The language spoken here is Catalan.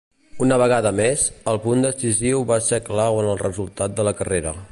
Una vegada més, el punt decisiu va ser clau en el resultat de la carrera.